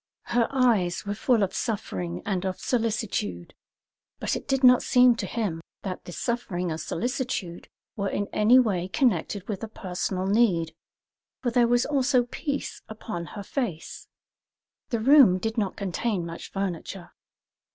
Her eyes were full of suffering and of solicitude; but it did not seem to him that the suffering and solicitude were in any way connected with a personal need, for there was also peace upon her face. The room did not contain much furniture.